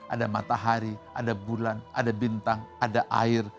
ada matahari ada bulan ada bintang ada air